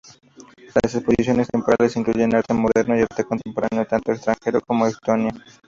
Las exposiciones temporales incluyen arte moderno y arte contemporáneo, tanto extranjero como estonio.